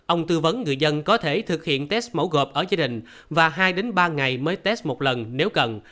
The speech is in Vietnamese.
ông tư vấn người dân có thể thực hiện test mẫu gộp ở gia đình và hai ba ngày mới test một lần nếu cần